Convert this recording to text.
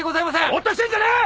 ぼーっとしてんじゃねえ！